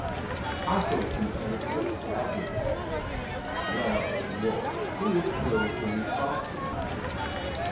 "I thought you said it was a tragedy." "Well, it was. He was killed in his bathroom, you know."